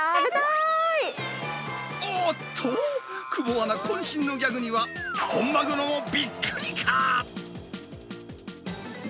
おっと、久保アナ、こん身のギャグには、本マグロもびっくりか。